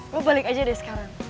lo balik aja deh sekarang